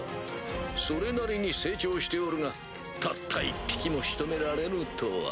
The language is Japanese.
それなりに成長しておるがたった１匹も仕留められぬとは。